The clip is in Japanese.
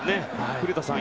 古田さん